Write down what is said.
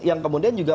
yang kemudian juga